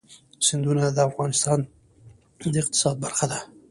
سیندونه د افغانستان د اقتصاد برخه ده.